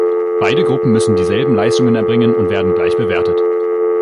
Beide Gruppen müssen dieselben Leistungen erbringen und werden gleich bewertet.